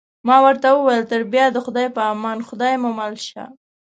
ما ورته وویل: تر بیا د خدای په امان، خدای مو مل شه.